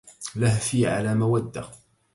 لهفي على مودة